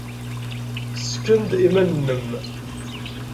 Ssken-d iman-nnem.